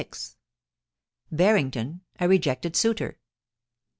BARRINGTON A REJECTED SUITOR.